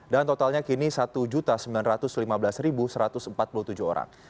dan totalnya kini satu sembilan ratus lima belas satu ratus empat puluh tujuh orang